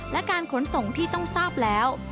และการขนส่งที่ต้องทราบแล้ว